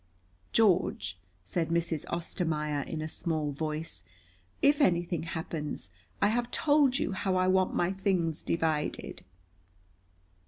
"George," said Mrs. Ostermaier in a small voice, "if anything happens, I have told you how I want my things divided."